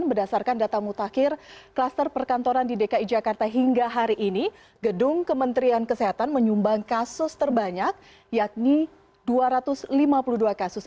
dan berdasarkan data mutakhir kluster perkantoran di dki jakarta hingga hari ini gedung kementerian kesehatan menyumbang kasus terbanyak yakni dua ratus lima puluh dua kasus